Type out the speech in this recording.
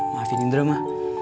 maafin indra ma